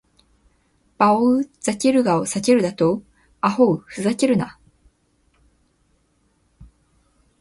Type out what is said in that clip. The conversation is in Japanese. バオウ・ザケルガを避けるだと！アホウ・フザケルナ！